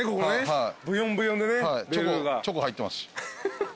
はいチョコ入ってます。